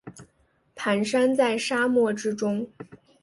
蹒跚在沙漠之中